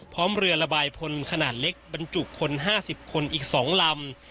พร้อมเรือระบายพลขนาดเล็กบรรจุคน๕๐คนอีก๒ลำ